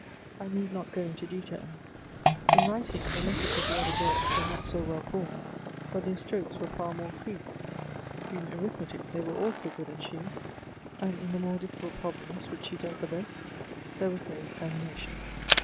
I need not go into details. In writing, the letters of the other girls were not so well formed, but their strokes were far more free. In Arith metic, they were all quicker than she ; and in the more difficult problems, which she does the best, there was no examination.